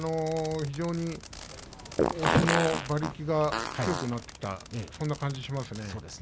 押しの馬力が強くなってきたそんな感じがしますね。